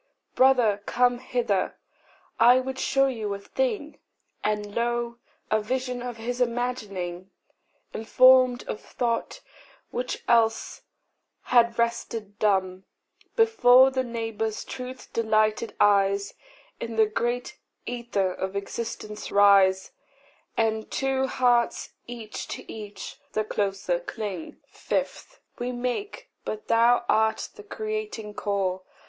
Brother, come hither I would show you a thing;" And lo, a vision of his imagining, Informed of thought which else had rested dumb, Before the neighbour's truth delighted eyes, In the great æther of existence rise, And two hearts each to each the closer cling! 5. We make, but thou art the creating core.